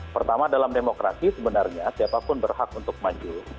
pertama dalam demokrasi sebenarnya siapapun berhak untuk maju